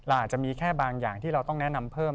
อาจจะมีแค่บางอย่างที่เราต้องแนะนำเพิ่ม